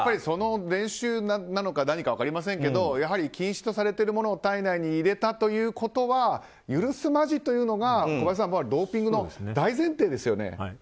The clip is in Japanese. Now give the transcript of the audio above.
その練習なのか何か分かりませんけれどもやはり禁止とされているものを体内に入れたということは許すまじというのが、小林さんドーピングの大前提ですよね。